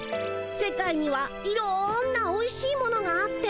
世界にはいろんなおいしいものがあって。